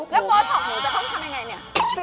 แล้วโบสถ์หนูจะต้องทำยังไงเนี่ย